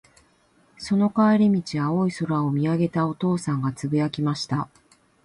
その帰り道、青い空を見上げたお父さんが、つぶやきました。